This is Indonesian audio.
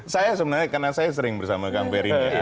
saya sebenarnya karena saya sering bersama kang ferry